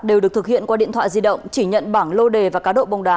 đều được thực hiện qua điện thoại di động chỉ nhận bảng lô đề và cá độ bóng đá